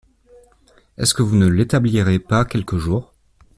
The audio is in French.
Est-ce que vous ne l’établirez pas quelque jour